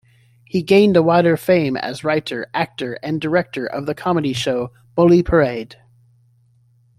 He gained wider fame as writer, actor and director of the comedy show "Bullyparade".